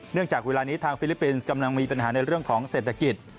จากเวลานี้ทางฟิลิปปินส์กำลังมีปัญหาในเรื่องของเศรษฐกิจ